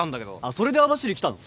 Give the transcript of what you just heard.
それで網走来たの？